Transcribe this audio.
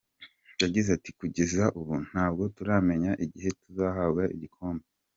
Yagize ati “Kugeza ubu ntabwo turamenya igihe tuzahabwa igikombe.